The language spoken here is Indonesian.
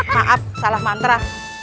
maaf salah mantra